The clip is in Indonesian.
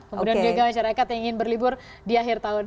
kemudian juga masyarakat yang ingin berlibur di akhir tahun